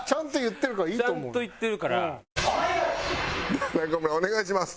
では中村お願いします。